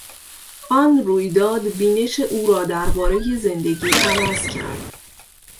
آن رویداد بینش او را دربارهی زندگی عوض کرد.